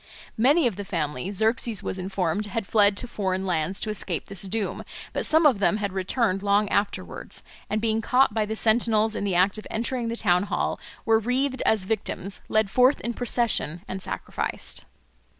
Many of the family, Xerxes was informed, had fled to foreign lands to escape this doom; but some of them had returned long afterwards, and being caught by the sentinels in the act of entering the town hall were wreathed as victims, led forth in procession, and sacrificed.